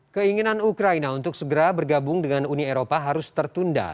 keinginan ukraina untuk segera bergabung dengan uni eropa harus tertunda